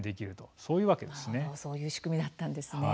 そういう仕組みだったんですね。